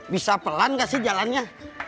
bisa pelan gak sih jalannya